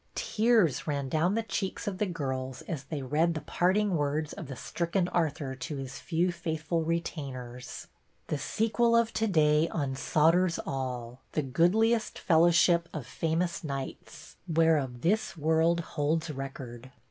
Tears ran down the cheeks of the sfirls as they read the parting words of the stricken Arthur to his few faithful retainers, —" The sequel of to day unsolders all The goodliest fellowship of famous knights A FEAST — NEW TEACHER 187 Whereof this world holds record.